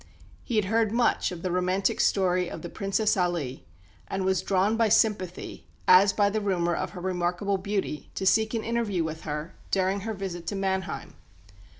He had heard much of the romantic story of the Princess Aly, and was drawn by sympathy, as by the rumour of her remarkable beauty, to seek an interview with her, during her visit to Mannheim.